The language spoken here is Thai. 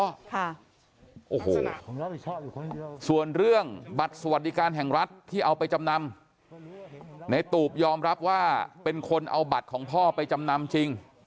ค่ะโอ้โหส่วนเรื่องบัตรสวัสดิการแห่งรัฐที่เอาไปจำนำในตูบยอมรับว่าเป็นคนเอาบัตรของพ่อไปจำนำจริง